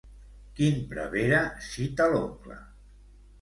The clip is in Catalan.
Quin prevere cita l'oncle?